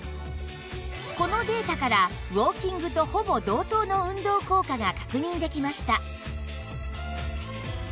このデータからウォーキングとほぼ同等の運動効果が確認できました